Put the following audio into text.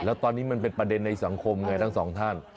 แล้วตอนนี้มันเป็นประเด็นในสังคมไงทั้งสองท่าน